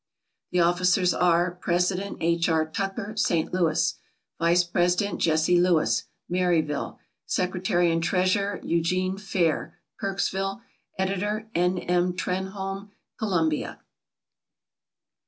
The officers are: President, H. R. Tucker, St. Louis; vice president, Jesse Lewis, Maryville; secretary and treasurer, Eugene Fair, Kirksville; editor, N. M. Trenholme, Columbia.